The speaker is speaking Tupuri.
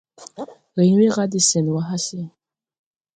Riŋ we ra de sɛn wà hase.